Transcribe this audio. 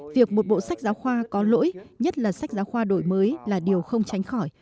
việc một bộ sách giáo khoa có lỗi nhất là sách giáo khoa đổi mới là điều không tránh khỏi